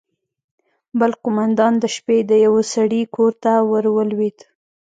بل قومندان د شپې د يوه سړي کور ته ورولوېد.